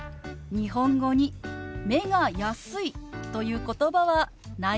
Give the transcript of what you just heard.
日本語に「目が安い」という言葉はないわよね。